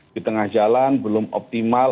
di tengah jalan belum optimal